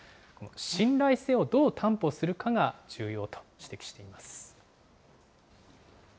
信頼性をどう担保するかが重要と指摘しています。